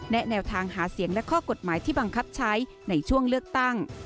และแนวทางหาเสียงและข้อกฎหมายที่บังคับใช้ในช่วงเลือกตั้ง